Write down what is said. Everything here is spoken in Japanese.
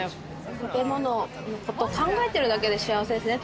食べ物のことを考えてるだけで幸せですね。